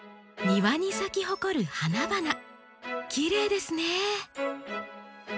庭に咲き誇る花々きれいですね。